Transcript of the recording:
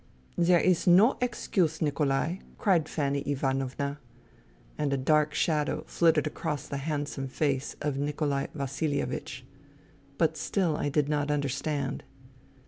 " There is no excuse, Nikolai," cried Fanny Ivanovna. And a dark shadow flitted across the handsome face of Nikolai Vasihevich. But still I did not understand.